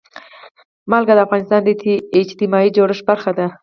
نمک د افغانستان د اجتماعي جوړښت برخه ده.